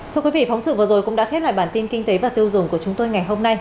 thưa quý vị phóng sự vừa rồi cũng đã khép lại bản tin kinh tế và tiêu dùng của chúng tôi ngày hôm nay